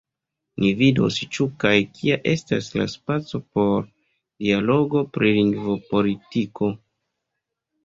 Ni vidos ĉu kaj kia estas la spaco por dialogo pri lingvopolitiko.